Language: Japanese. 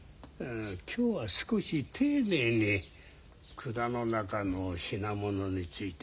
今日は少し丁寧に蔵の中の品物について教えておこう。